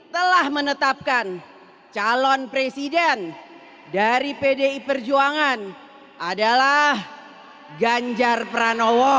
telah menetapkan calon presiden dari pdi perjuangan adalah ganjar pranowo